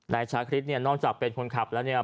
นายชาคริสเนี่ยนอกจากเป็นคนขับแล้วเนี่ย